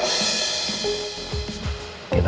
di ig itu iya kan